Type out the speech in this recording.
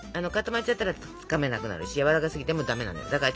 固まっちゃったらつかめなくなるしやわらかすぎてもダメなのよ。